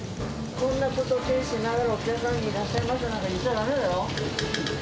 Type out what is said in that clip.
こんなとこに手を置きながら、お客さんにいらっしゃいませなんて言っちゃだめだよ。